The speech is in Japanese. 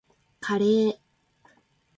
カレー